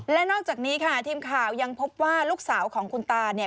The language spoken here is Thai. และนอกจากนี้ค่ะทีมข่าวยังพบว่าลูกสาวของคุณตาเนี่ย